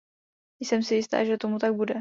Jsem si jistá, že tomu tak bude.